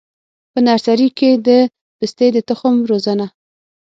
په نرسري کي د پستې د تخم روزنه: